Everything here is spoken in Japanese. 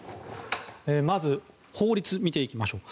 まず、法律を見ていきましょう。